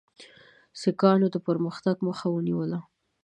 سیکهانو د پرمختګ مخه ونیوله.